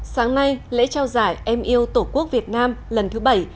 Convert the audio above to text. sáng nay lễ trao giải em yêu tổ quốc việt nam lần thứ bảy